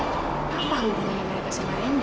apa hubungannya mereka sama